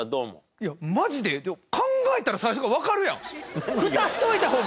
いやマジで考えたら最初からわかるやん。